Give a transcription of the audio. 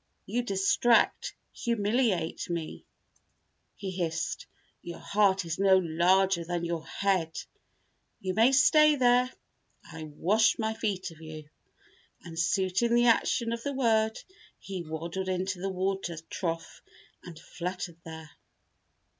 "You distract, humiliate me," he hissed. "Your heart is no larger than your head. You may stay there. I wash my feet of you," and suiting the action of the word, he waddled into the water trough and fluttered there.